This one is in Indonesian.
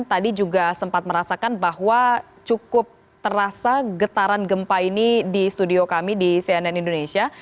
tadi juga sempat merasakan bahwa cukup terasa getaran gempa ini di studio kami di cnn indonesia